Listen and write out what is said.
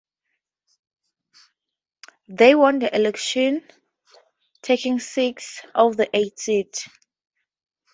They won the elections, taking six of the eight seats.